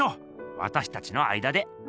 わたしたちの間で。